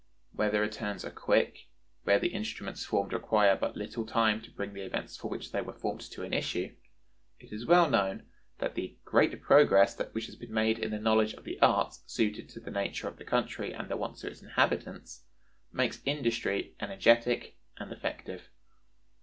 "Where the returns are quick, where the instruments formed require but little time to bring the events for which they were formed to an issue," it is well known that "the great progress which has been made in the knowledge of the arts suited to the nature of the country and the wants of its inhabitants" makes industry energetic and effective.